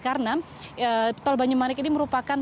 karena tol banyumanik ini merupakan